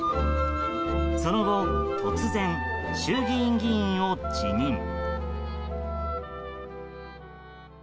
その後、突然衆議院議員を辞任。